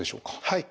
はい。